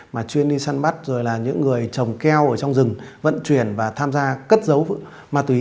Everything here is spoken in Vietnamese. mà chuyên đi săn bắt rồi là những người trồng keo ở trong rừng vận chuyển và tham gia cất dấu ma túy